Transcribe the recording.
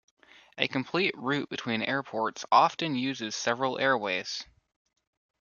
A complete route between airports often uses several airways.